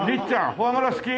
フォアグラ好き？